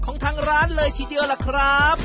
ของทางร้านเลยทีเดียวล่ะครับ